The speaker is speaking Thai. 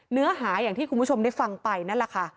เนื้อหาอย่างที่คุณผู้ชมได้ฟังไปนั่นแหละค่ะ